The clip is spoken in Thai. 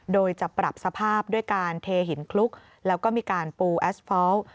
โดยจะปรับสภาพด้วยการเทหินคลุกแล้วก็มีการปูแอสฟอล์